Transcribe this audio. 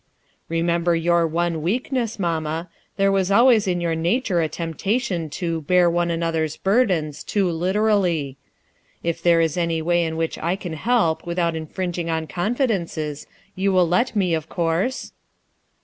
"Remember your one weakness, mamma; there was always in your nature a temptation to 'bear one another's burdens' too literally. If there is any way in which I can help without 242 ALONE 243 infringing on confidences, you will let me of course?"